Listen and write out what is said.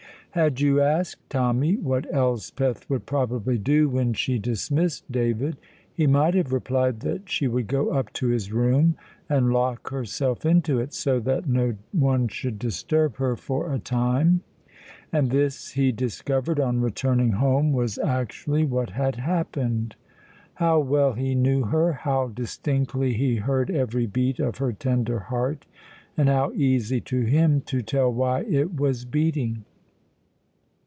Had you asked Tommy what Elspeth would probably do when she dismissed David, he might have replied that she would go up to his room and lock herself into it, so that no one should disturb her for a time. And this he discovered, on returning home, was actually what had happened. How well he knew her! How distinctly he heard every beat of her tender heart, and how easy to him to tell why it was beating!